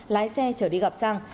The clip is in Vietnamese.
lái xe chở đi gặp sang